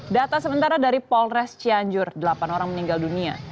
data sementara dari polres cianjur delapan orang meninggal dunia